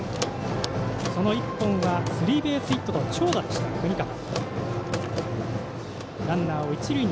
その１本はスリーベースヒットの長打でした、國方。